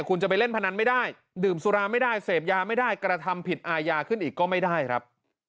คุณจะไปเล่นพนันไม่ได้ดื่มสุราไม่ได้เสพยาไม่ได้กระทำผิดอาญาขึ้นอีกก็ไม่ได้ครับ